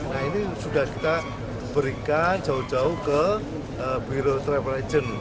nah ini sudah kita berikan jauh jauh ke biro travel agent